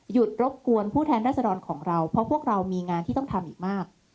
รบกวนผู้แทนรัศดรของเราเพราะพวกเรามีงานที่ต้องทำอีกมาก